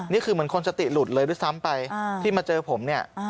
นี่คือเหมือนคนสติหลุดเลยด้วยซ้ำไปที่มาเจอผมเนี่ย